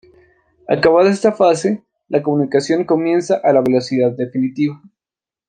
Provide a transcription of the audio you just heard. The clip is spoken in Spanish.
Acabada esta fase, la comunicación comienza a la velocidad definitiva.